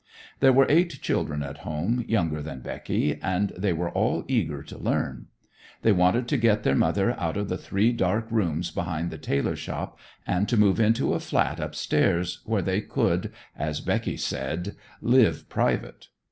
There were eight children at home, younger than Becky, and they were all eager to learn. They wanted to get their mother out of the three dark rooms behind the tailor shop and to move into a flat up stairs, where they could, as Becky said, "live private."